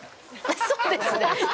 そうですね。